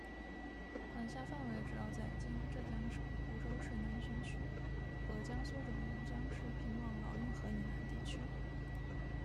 管辖范围主要在今浙江省湖州市南浔区和江苏省吴江市平望老运河以南地区。